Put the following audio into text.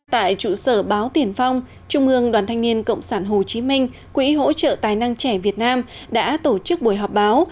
tại trụ sở báo tiền phong trung ương đoàn thanh niên cộng sản hồ chí minh quỹ hỗ trợ tài năng trẻ việt nam đã tổ chức buổi họp báo